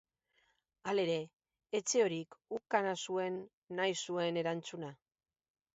Halere Etxehorik ukana zuen nahi zuen erantzuna.